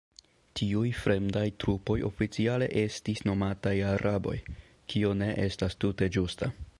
Tiuj fremdaj trupoj oficiale estis nomataj "araboj", kio ne estas tute ĝusta.